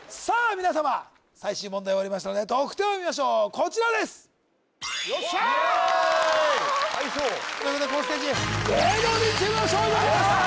皆様最終問題終わりましたので得点を見ましょうこちらですということでこのステージ芸能人チームの勝利でございます